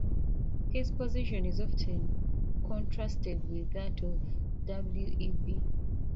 His position is often contrasted with that of W. E. B.